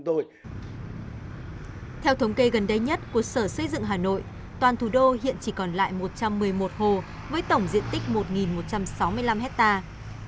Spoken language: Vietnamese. theo thống kê gần đây nhất của sở xây dựng hà nội toàn thủ đô hiện chỉ còn lại một trăm một mươi một hồ với tổng diện tích một một trăm sáu mươi năm hectare